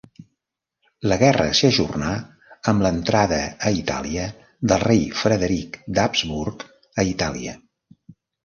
La guerra s'ajornà amb l'entrada a Itàlia del rei Frederic d'Habsburg a Itàlia.